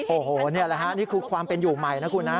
โอ้โหนี่แหละฮะนี่คือความเป็นอยู่ใหม่นะคุณนะ